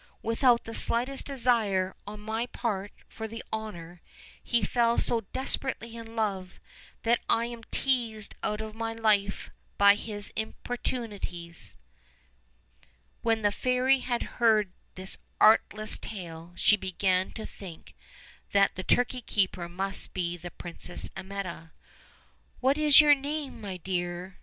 without the slightest desire on my part for the honor, he fell so desperately in love that I am teased out of my life by his importunities." When the fairy had heard this artless tale she began to think that the turkey keeper must be the Princess Amietta. "What is your name, my dear?"